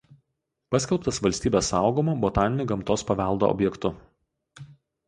Paskelbtas valstybės saugomu botaniniu gamtos paveldo objektu.